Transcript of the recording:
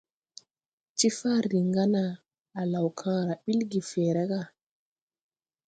Tifar riŋ ga na a law kããra bil gifęęre ga.